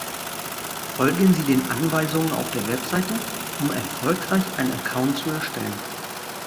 Folgen Sie den Anweisungen auf der Webseite, um erfolgreich einen Account zu erstellen.